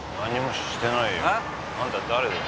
あんた誰よ？